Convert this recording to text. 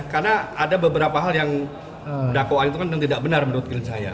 karena ada beberapa hal yang dakwaan itu kan yang tidak benar menurut klien saya